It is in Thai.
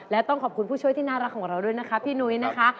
และต้องขอบคุณผู้ช่วยที่น่ารักของเราด้วยนะคะพี่นุ้ยนะคะ